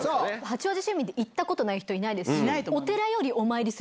八王子市民で行ったことない人いないですし。